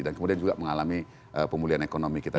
dan kemudian juga mengalami pemulihan ekonomi kita